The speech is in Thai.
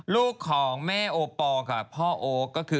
ลูกของแม่โปรกับพ่อโอค